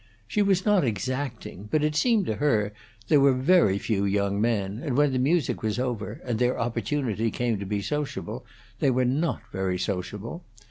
She was not exacting, but it seemed to her there were very few young men, and when the music was over, and their opportunity came to be sociable, they were not very sociable.